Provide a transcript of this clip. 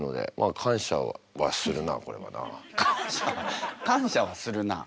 「感謝はするな」。